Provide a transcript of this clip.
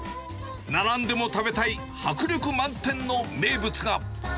並んでも食べたい迫力満点の名物が。